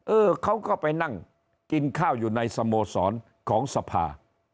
เออเขาก็ไปนั่งกินข้าวอยู่ในสโมสรของสภา